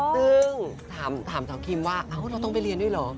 ซึ่งถามสาวคิมว่าเราต้องไปเรียนด้วยเหรอ